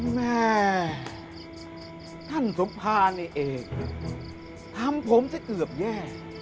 แม่ท่านสมภาณเองทำผมซะอืบแย่